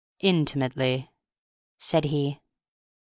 "Intimately," said he.